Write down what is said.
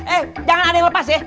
eh jangan ada yang lepas ya